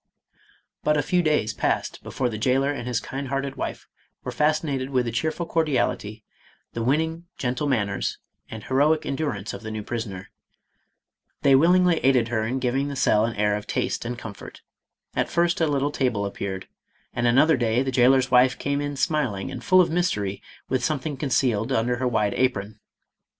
But a few days passed before the jailer and his kind hearted wife were fascinated with the cheerful cordiality, the winning, gentle manners, and heroic endurance of the new prisoner. They willingly aided her* in giving 22* 514 MADAME ROLAND. the cell an air of taste and comfort. At first a little table appeared, and another day the jailer's wife came in smiling and full of mystery with something conceal ed under her wide apron.